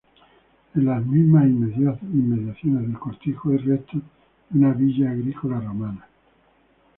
En las mismas inmediaciones del cortijo hay restos de una villae agrícola romana.